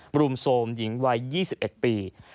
บรูมโสมหญิงวัย๒๑ปี